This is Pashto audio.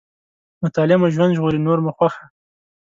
مطالعه مو ژوند ژغوري، نور مو خوښه.